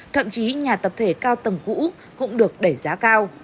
thậm chí nhà tập thể cao tầng cũ cũng được đẩy giá cao